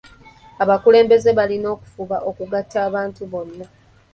Abakulembeze balina okufuba okugatta abantu bonna.